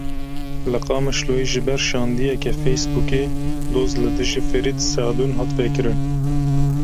Li Qamişloyê ji ber şandiyeke Facebookê doz li dijî Ferîd Sedûn hat vekirin.